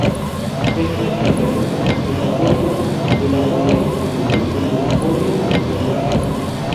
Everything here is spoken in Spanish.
Es una explicación metafórica de la forma y distribución de las folies del parque.